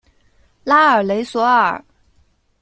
拉尔雷索尔。